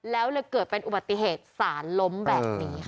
แล้วเลยเกิดเป็นอุบัติเหตุสารล้มแบบนี้ค่ะ